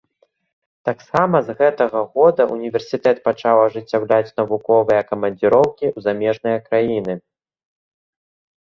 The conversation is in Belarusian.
Таксама з гэтага года універсітэт пачаў ажыццяўляць навуковыя камандзіроўкі ў замежныя краіны.